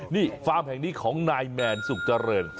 นี่ฟาร์มแห่งนี้ของนายแมนสุขเจริญ